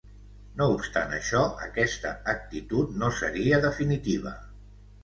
No obstant això, aquesta actitud no seria definitiva.